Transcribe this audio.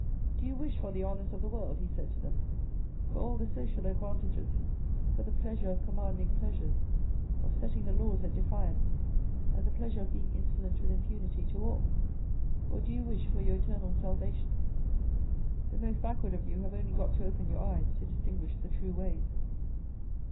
" Do you wish for the honours of the world," he said to them. " For all the social advantages, for the pleasure of commanding pleasures, of setting the laws at defiance, and the pleasure of being insolent with impunity to all ? Or do you wish for your eternal salvation ? The most backward of you have only got to open your eyes to distinguish the true ways."